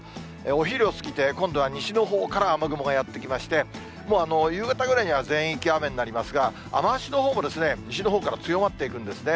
お昼を過ぎて、今度は西のほうから雨雲がやって来まして、もう夕方ぐらいには全域雨になりますが、雨足のほうも西のほうから強まっていくんですね。